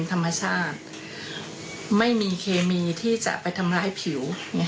ธรรมชาติไม่มีเคมีที่จะไปทำร้ายผิว